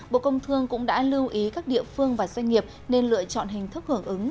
bộ công thương cũng đã lưu ý các địa phương và doanh nghiệp nên lựa chọn hình thức hưởng ứng